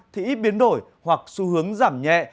thì ít biến đổi hoặc xu hướng giảm nhẹ